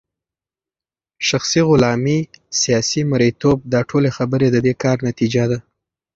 شخصي غلامې ، سياسي مريتوب داټولي خبري ددي كار نتيجه ده